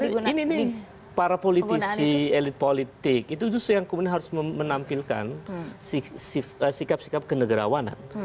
ini nih para politisi elit politik itu justru yang kemudian harus menampilkan sikap sikap kenegarawanan